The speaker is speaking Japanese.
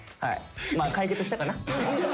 まあ解決したかな？